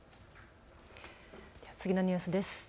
次のニュースです。